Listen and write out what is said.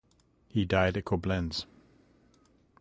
He died at Koblenz.